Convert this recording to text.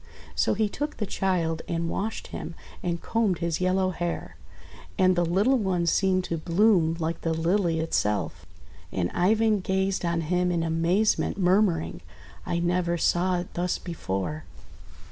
So he took the child and washed him, and combed his yellow hair; and the little one seemed to bloom like the Lily itself. And Ivan gazed on him in amazement, murmuring, !<I never saw it thus before!'